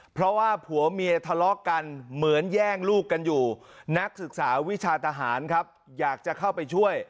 เพราะว่าผัวเมียทะเลาะกันเหมือนแย่งลูกกันอยู่นักศึกษาวิชาทหารครับอยากจะเข้าไปช่วย